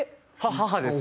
母です